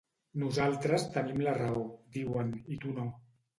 Nosaltres tenim la raó, diuen, i tu no.